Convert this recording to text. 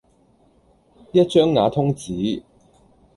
一張瓦通紙